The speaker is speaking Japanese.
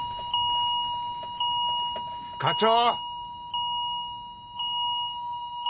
課長！